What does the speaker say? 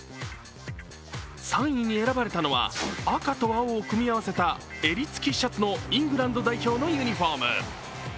３位に選ばれたのは赤と青を組み合わせた襟付きシャツのイングランドのユニフォーム。